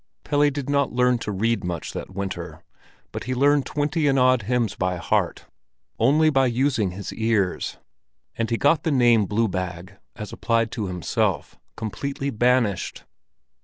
Pelle did not learn to read much that winter, but he learned twenty and odd hymns by heart only by using his ears, and he got the name Blue bag, as applied to himself, completely banished.